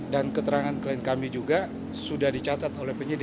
dan keterangan klien kami juga sudah dicatat